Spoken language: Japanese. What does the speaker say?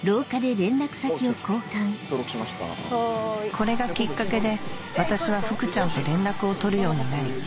これがきっかけで私は福ちゃんと連絡を取るようになり